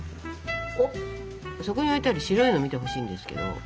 そこに置いてある白いの見てほしいんですけど。